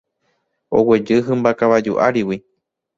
Oguejy hymba kavaju árigui.